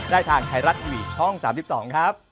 ได้ทางไทยรัฐวียนต์ช่อง๓๒ครับ